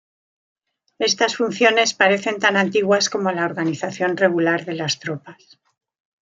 Estas funciones parecen tan antiguas como la organización regular de las tropas.